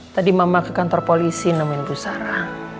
tadi mama ke kantor polisi nemuin bu sara